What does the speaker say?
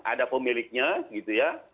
ada pemiliknya gitu ya